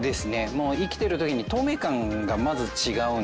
もう生きてる時に透明感がまず違うんですよ。